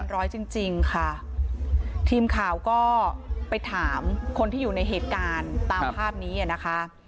ร้อยจริงจริงค่ะทีมข่าวก็ไปถามคนที่อยู่ในเหตุการณ์ตามภาพนี้อ่ะนะคะ